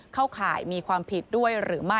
ข่ายมีความผิดด้วยหรือไม่